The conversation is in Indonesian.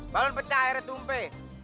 balon pecah airnya tumpe